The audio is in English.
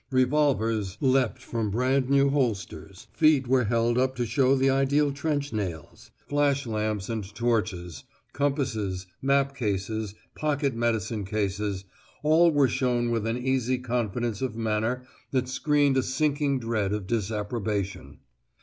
Revolvers leapt from brand new holsters; feet were held up to show the ideal trench nails; flash lamps and torches, compasses, map cases, pocket medicine cases, all were shown with an easy confidence of manner that screened a sinking dread of disapprobation.